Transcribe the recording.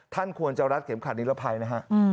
ท่านควรจะรัดเข็มขัดนิรภัยนะฮะ